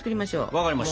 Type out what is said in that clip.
分かりました。